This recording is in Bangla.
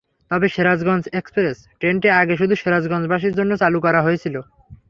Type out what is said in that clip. তবে সিরাজগঞ্জ এক্সপ্রেস ট্রেনটি আগে শুধু সিরাজগঞ্জবাসীর জন্য চালু করা হয়েছিল।